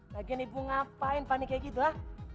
lagian ibu ngapain panik kayak gitu ha